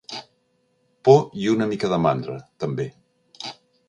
Por i una mica de mandra, també.